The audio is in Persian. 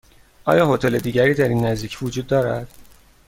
آیا هتل دیگری در این نزدیکی وجود دارد؟